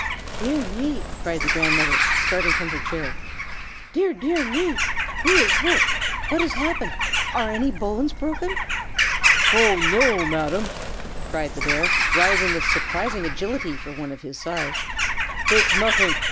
"Dear me!" cried the grandmother, starting from her chair. "Dear, dear me! Who is hurt? What has happened? Are any bones broken?" "Oh, no! Madam," cried the bear, rising with surprising agility for one of his size; "it's nothing!